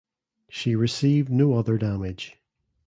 She received no other damage.